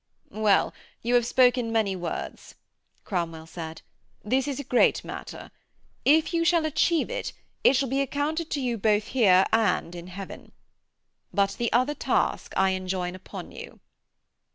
'Well, you have spoken many words,' Cromwell said. 'This is a great matter. If you shall achieve it, it shall be accounted to you both here and in heaven. But the other task I enjoin upon you.'